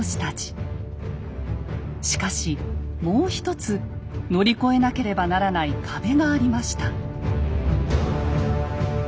しかしもう一つ乗り越えなければならない壁がありました。